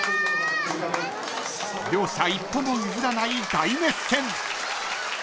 ［両者一歩も譲らない大熱戦］